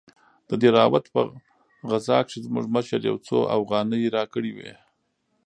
د دهراوت په غزا کښې زموږ مشر يو څو اوغانۍ راکړې وې.